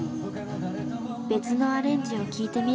別のアレンジを聴いてみることに。